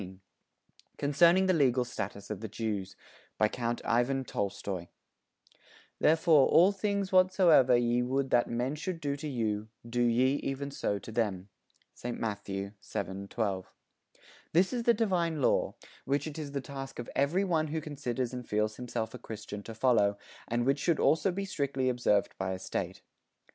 _ CONCERNING THE LEGAL STATUS OF THE JEWS BY COUNT IVAN TOLSTOY "Therefore all things whatsoever ye would that men should do to you, do ye even so to them." (St. Matthew, 7, 12.) This is the divine law, which it is the task of every one who considers and feels himself a Christian to follow, and which should also be strictly observed by a State.